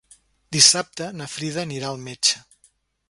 Dissabte na Frida anirà al metge.